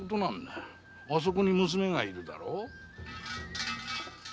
あそこに娘がいるだろう？